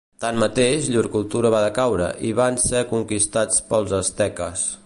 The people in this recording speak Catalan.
Tanmateix, llur cultura va decaure, i van ser conquistats pels asteques.